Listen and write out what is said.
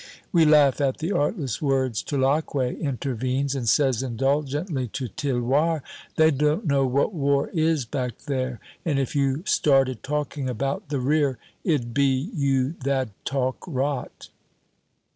'" We laugh at the artless words. Tulacque intervenes, and says indulgently to Tiloir, "They don't know what war is back there; and if you started talking about the rear, it'd be you that'd talk rot."